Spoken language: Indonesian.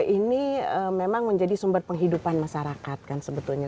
ini memang menjadi sumber penghidupan masyarakat kan sebetulnya